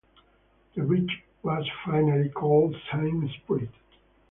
The bridge was finally called Saint-Esprit.